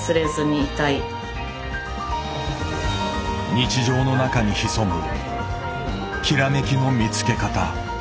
日常の中に潜むきらめきの見つけ方。